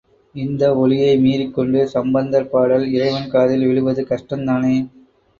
இந்த ஒலியை மீறிக்கொண்டு சம்பந்தர் பாடல் இறைவன் காதில் விழுவது கஷ்டத்தானே.